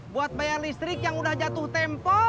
buat bayar listrik yang udah jatuh tempo